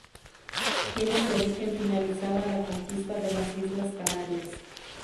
Tiene su origen finalizada la conquista de las islas Canarias.